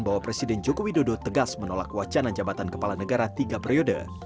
bahwa presiden joko widodo tegas menolak wacana jabatan kepala negara tiga periode